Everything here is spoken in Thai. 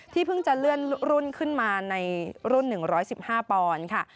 เพิ่งจะเลื่อนรุ่นขึ้นมาในรุ่น๑๑๕ปอนด์ค่ะ